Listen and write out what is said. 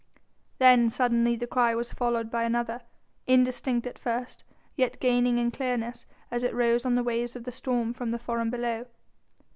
Then suddenly the cry was followed by another indistinct at first, yet gaining in clearness as it rose on the waves of the storm from the Forum below.